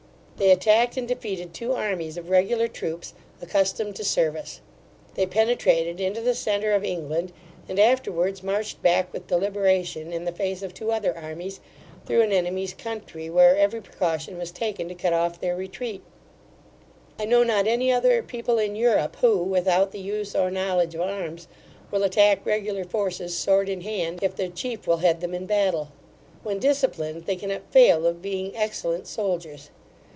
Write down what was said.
They attacked and defeated two armies of regular troops accustomed to service. They penetrated into the centre of England; and afterwards marched back with deliberation, in the face of two other armies, through an enemy's country, where every precaution was taken to cut off their retreat. I know not any other people in Europe, who, without the use or knowledge of arms, will attack regular forces sword in hand, if their chief will head them in battle. When disciplined, they cannot fail of being excellent soldiers.